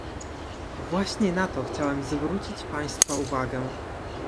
Właśnie na to chciałem zwrócić Państwa uwagę